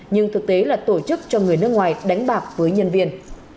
nhưng thực tế là tổ chức cho người nước ngoài đánh bạc với nhân viên